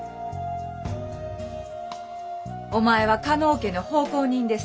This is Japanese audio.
お前は加納家の奉公人です。